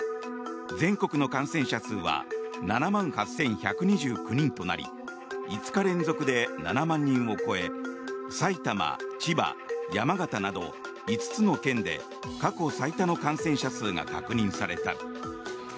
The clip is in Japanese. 全国の感染者数は７万８１２９人となり５日連続で７万人を超え埼玉、千葉、山形など５つの県で過去最多の感染者数が確認された。